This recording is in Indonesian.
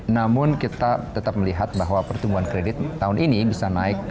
namun kita tetap melihat bahwa pertumbuhan kredit tahun ini bisa naik